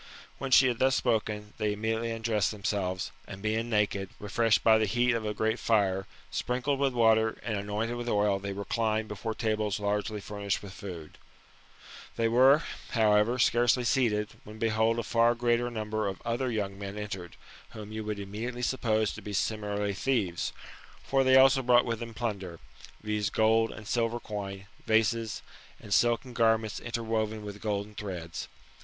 When she had thus spoken, they immediately undressed themselves, and being naked, refreshed by the heat of a great fire, sprinkled with water, and anointed with oil, they reclined before tables largely furnished with food They were however, scarcely seated, when behold a far greater number of other young men entered, whom you would immediately suppose to be similarly thieves : for they also brought with them plunder, viz. gold and silver coin, vases, and silken garments interwoven with golden threads.